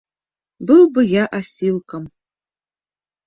Быў бы я асілкам.